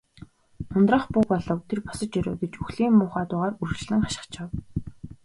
"Ундрах буг болов. Тэр босож ирэв" гэж үхлийн муухай дуугаар үргэлжлэн хашхичив.